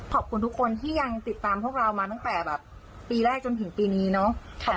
ขอบคุณทุกคนที่ยังติดตามพวกเรามาตั้งแต่แบบปีแรกจนถึงปีนี้เนาะ